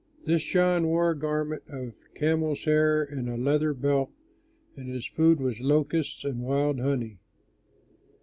This John wore a garment of camel's hair and a leather belt, and his food was locusts and wild honey.